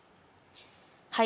はい。